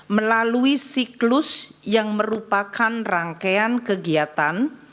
melalui siklus yang merupakan rangkaian kegiatan